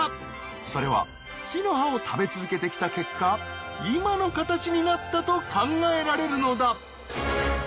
それは木の葉を食べ続けてきた結果今の形になったと考えられるのだ。